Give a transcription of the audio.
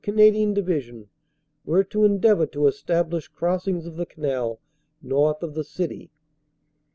Canadian Division were to endeavor to establish crossings of the canal north of the city.